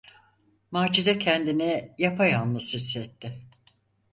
Macide kendini yapayalnız hissetti.